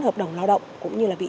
hợp đồng lao động cũng như bị